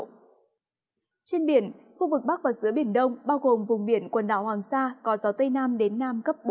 trên biển khu vực bắc và giữa biển đông bao gồm vùng biển quần đảo hoàng sa có gió tây nam đến nam cấp bốn